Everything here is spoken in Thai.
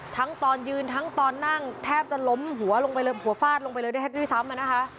ทั้งตอนยืนทั้งตอนนั่งแทบจะล้มหัวฟาดลงไปเลยได้แทบทีซ้ำ